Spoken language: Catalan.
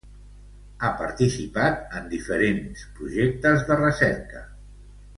Ha participat en diferents projectes de recerca.